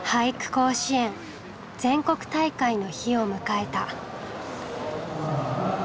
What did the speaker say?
甲子園全国大会の日を迎えた。